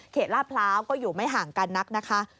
ลาดพร้าวก็อยู่ไม่ห่างกันนักนะคะ